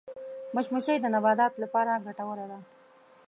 مچمچۍ د نباتاتو لپاره ګټوره ده